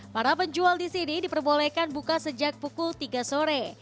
para penjual di sini diperbolehkan buka sejak pukul tiga sore